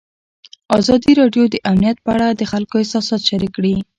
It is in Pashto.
ازادي راډیو د امنیت په اړه د خلکو احساسات شریک کړي.